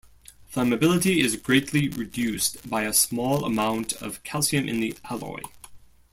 Flammability is greatly reduced by a small amount of calcium in the alloy.